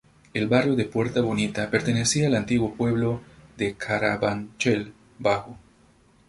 El barrio de Puerta Bonita pertenecía al antiguo pueblo de Carabanchel Bajo.